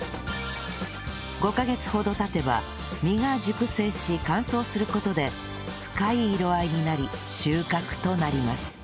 ５カ月ほど経てば実が熟成し乾燥する事で深い色合いになり収穫となります